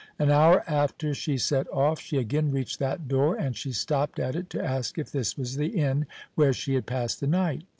An hour after she set off, she again reached that door; and she stopped at it to ask if this was the inn where she had passed the night.